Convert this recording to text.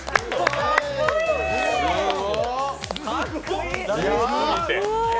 かっこいい！